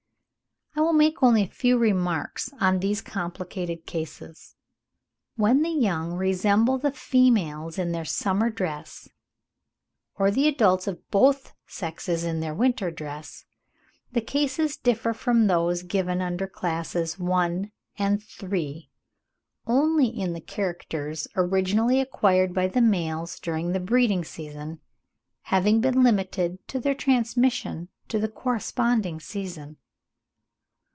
I will make only a few remarks on these complicated cases. When the young resemble the females in their summer dress, or the adults of both sexes in their winter dress, the cases differ from those given under Classes I. and III. only in the characters originally acquired by the males during the breeding season, having been limited in their transmission to the corresponding season.